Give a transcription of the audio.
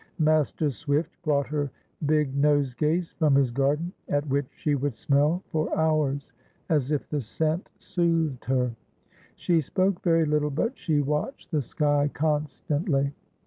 Master Swift brought her big nosegays from his garden, at which she would smell for hours, as if the scent soothed her. She spoke very little, but she watched the sky constantly.